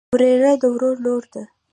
وريره د ورور لور.